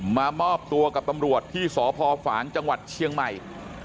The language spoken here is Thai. มามอบตัวกับตำรวจที่สพฝางจังหวัดเชียงใหม่